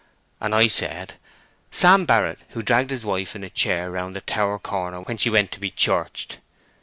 and I said, 'Sam Barrett, who dragged his wife in a chair round the tower corner when she went to be churched.